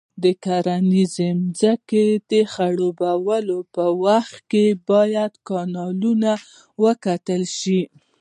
د کرنیزو ځمکو د خړوبولو په وخت کې باید کانالونه وکتل شي.